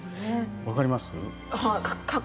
分かります？